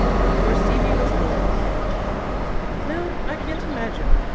For Stevie was loyal. ... "No, I can't imagine.